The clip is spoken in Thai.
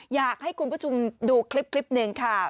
อยากให้คุณผู้ชมดูคลิปหนึ่งค่ะ